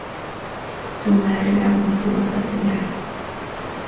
Su madre la motivó a patinar.